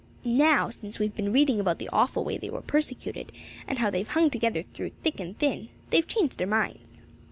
Now, since we've been reading about the awful way they were persecuted, and how they've hung together through thick and thin, they've changed their minds."